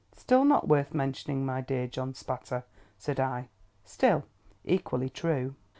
"Still not worth mentioning, my dear John Spatter," said I; "still, equally true."